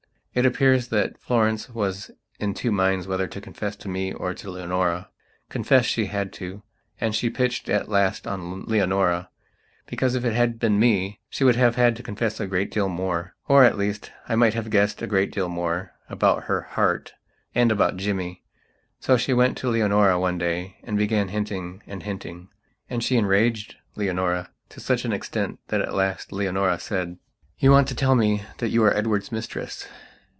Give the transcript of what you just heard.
It appears that Florence was in two minds whether to confess to me or to Leonora. Confess she had to. And she pitched at last on Leonora, because if it had been me she would have had to confess a great deal more. Or, at least, I might have guessed a great deal more, about her "heart", and about Jimmy. So she went to Leonora one day and began hinting and hinting. And she enraged Leonora to such an extent that at last Leonora said: "You want to tell me that you are Edward's mistress.